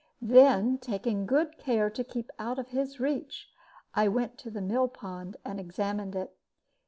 Then, taking good care to keep out of his reach, I went to the mill pond and examined it.